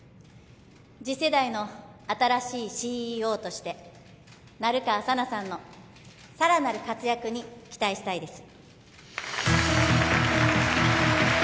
次世代の新しいＣＥＯとして成川佐奈さんのさらなる活躍に期待したいです